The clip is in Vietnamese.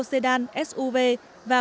xe đan suv và